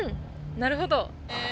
なるほど！